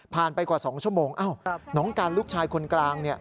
ไปกว่า๒ชั่วโมงน้องกันลูกชายคนกลาง